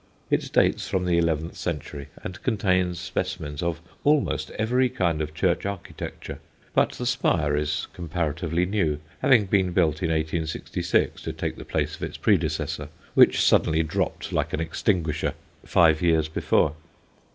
It dates from the eleventh century and contains specimens of almost every kind of church architecture; but the spire is comparatively new, having been built in 1866 to take the place of its predecessor, which suddenly dropped like an extinguisher five years before.